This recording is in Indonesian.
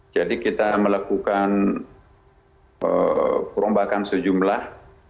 jadi kita melakukan perombakan sejumlah